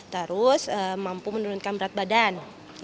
terus mampu menurunkan berat badan